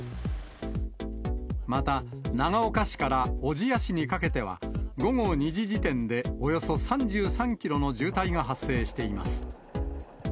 また、長岡市から小千谷市にかけては、午後２時時点で、およそ３３キロの渋滞が発生しています。